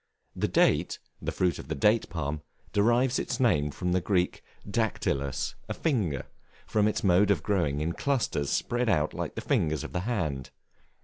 The Date, the fruit of the Date Palm, derives its name from the Greek dactylus, a finger, from its mode of growing in clusters spreading out like the fingers of the hand.